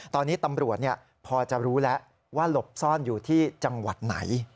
ตอนนี้ตำรวจพอจะรู้แล้วว่าหลบซ่อนอยู่ที่จังหวัดไหน